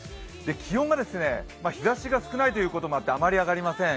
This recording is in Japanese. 気温が、日ざしが少ないということもあって、あまり上がりません。